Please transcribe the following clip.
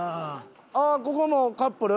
あっここもカップル？